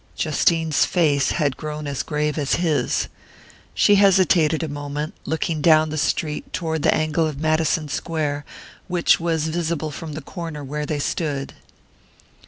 Justine's face had grown as grave as his. She hesitated a moment, looking down the street toward the angle of Madison Square, which was visible from the corner where they stood.